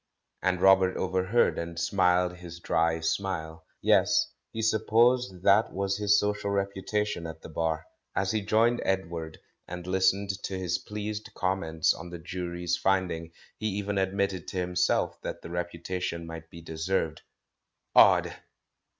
and Robert overheard, and smiled his dry smile. Yes, he supposed that was his social reputation at the Bar. As he joined Edward, and listened to his pleased comments on the Jury's finding, he even admitted to him self that the reputation might be deserved. Odd